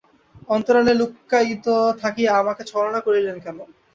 অন্তরালে লুক্কায়িত থাকিয়া আমাকে ছলনা করিলেন কেন?